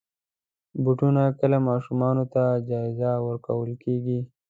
بوټونه کله ماشومانو ته جایزه ورکول کېږي.